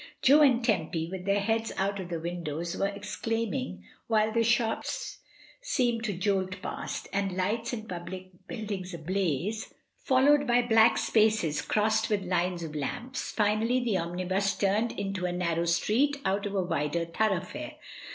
Jo and Tempy, with their heads out of the windows, were exclaiming, while the shops seemed to jolt past, and lights and public buildings ablaze, 48 MRS. DYMOND. followed by black spaces crossed with lines of lamps. Finally, the omnibus turned into a narrow street out of a wider thoroughfare.